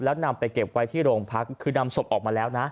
แล้วนำไปเก็บไว้ที่โรงพักคือนำศพออกมาแล้วนะ